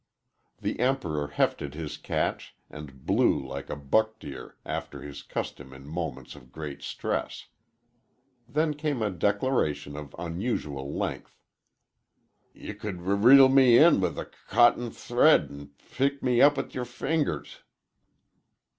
The Emperor hefted his catch and blew like a buck deer, after his custom in moments of great stress. Then came a declaration of unusual length. "Ye could r reel me in with a c c cotton th thread an' p pick me up in yer f fingers."